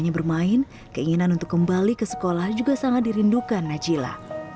hanya bermain keinginan untuk kembali ke sekolah juga sangat dirindukan najila